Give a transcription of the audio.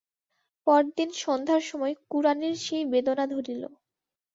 পরদিন সন্ধ্যার সময় কুড়ানির সেই বেদনা ধরিল।